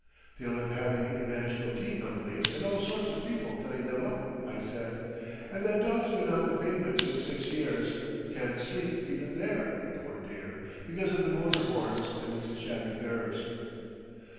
"They'll have had the International Tea Company and all sorts of people cutting them up," I said. "And that dog's been on the pavement this six years—can't sleep even there, poor dear, because of the motor horns and its shattered nerves."